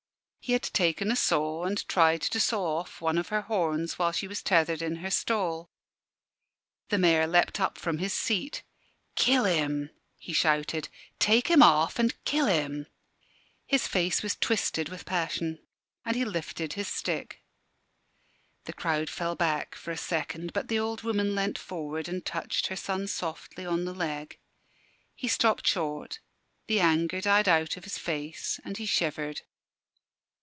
He had taken a saw, and tried to saw off one of her horns while she was tethered in her stall. The Mayor leapt up from his seat. "Kill him!" he shouted, "take him off and kill him!" His face was twisted with passion, and he lifted his stick. The crowd fell back for a second, but the old woman leant forward and touched her son softly on the leg. He stopped short: the anger died out of his face, and he shivered.